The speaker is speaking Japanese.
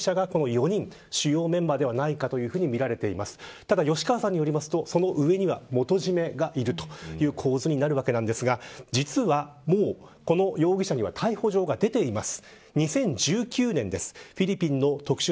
ただ、吉川さんによりますとその上には元締めがいるという構図なるわけなんですが実は、もうこの容疑者に逮捕状が出ています。